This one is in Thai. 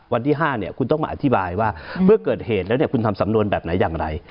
วันที่๕คุณต้องมาอธิบายว่าเมื่อเกิดเหตุแล้วคุณทำสำนวนแบบไหนอย่างไร